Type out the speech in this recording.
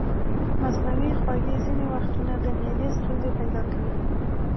مصنوعي خوږې ځینې وختونه د معدې ستونزې پیدا کوي.